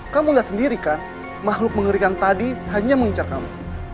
kamu lihat sendiri kan makhluk mengerikan tadi hanya mengincar kamu